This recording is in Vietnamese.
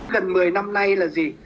gần một mươi năm nay là gì